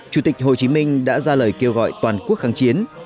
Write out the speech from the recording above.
chủ tịch hồ chí minh đã ra lời kêu gọi toàn quốc kháng chiến